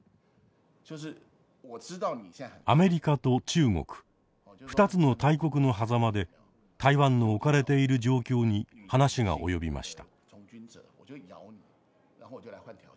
アメリカと中国２つの大国のはざまで台湾の置かれている状況に話が及びました。